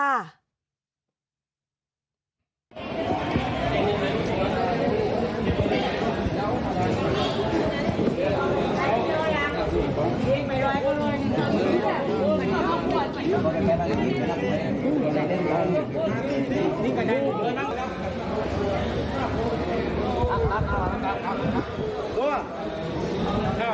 ค่ะลับต่อละครับ